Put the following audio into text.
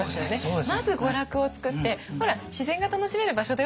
まず娯楽を作って「ほら自然が楽しめる場所だよ」